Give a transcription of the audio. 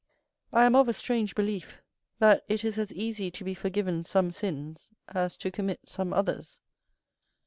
I am of a strange belief, that it is as easy to be forgiven some sins as to commit some others.